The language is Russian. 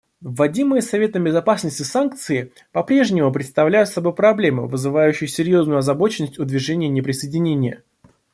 Вводимые Советом Безопасности санкции попрежнему представляют собой проблему, вызывающую серьезную озабоченность у Движения неприсоединения.